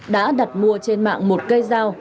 đã đặt mua trên mạng một cây dao